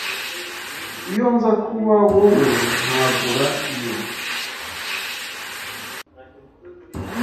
Iyo nza kuba wowe, nagura iyo.